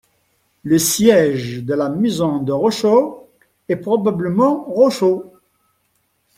Le siège de la maison de Rochow est probablement Rochau.